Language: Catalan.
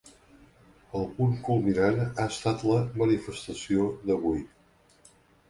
El punt culminant ha estat la manifestació d’avui.